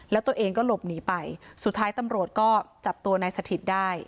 แล้วตัวเองก็หลบหนีไปสุดท้ายตำรวจก็จับตัวนายสถิตได้